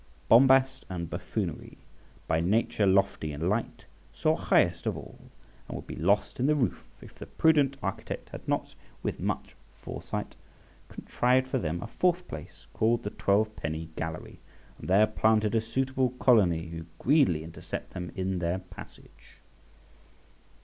Bombast and buffoonery, by nature lofty and light, soar highest of all, and would be lost in the roof if the prudent architect had not, with much foresight, contrived for them a fourth place, called the twelve penny gallery, and there planted a suitable colony, who greedily intercept them in their passage.